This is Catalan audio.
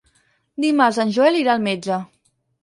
Dimarts en Joel irà al metge.